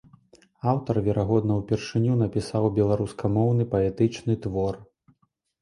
Аўтар верагодна ўпершыню напісаў беларускамоўны паэтычны твор.